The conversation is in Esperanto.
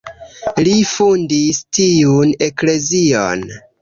Li fondis tiun eklezion.